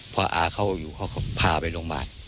พออาเข้าอยู่เขาก็พาไปลงบ้าน